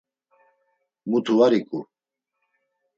Mutu var iqu.